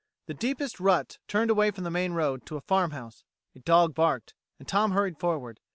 The deepest ruts turned away from the main road to a farm house: a dog barked, and Tom hurried forward.